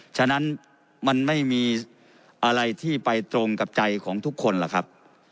ฉะนั้นมันไม่มีอะไรที่ไปตรงกับใจของทุกคนล่ะครับ